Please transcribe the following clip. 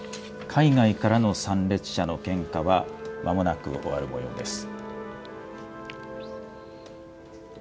海外からの参列者の献花は、まもなく終わるもようです。